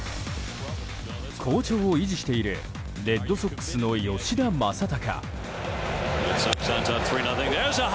好調を維持しているレッドソックスの吉田正尚。